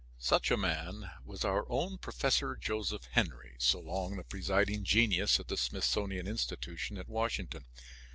Such a man was our own Professor Joseph Henry, so long the presiding genius at the Smithsonian Institution at Washington.